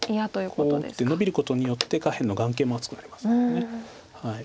こう打ってノビることによって下辺の眼形も厚くなりますよね。